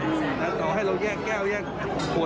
จะสมการแล้วทุกอย่างมันก็๑๐๓๐๐